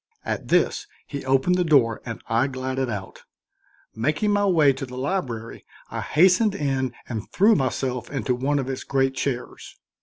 At this he opened the door and I glided out. Making my way to the library I hastened in and threw myself into one of its great chairs.